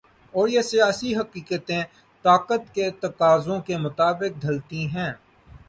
اور یہ سیاسی حقیقتیں طاقت کے تقاضوں کے مطابق ڈھلتی ہیں۔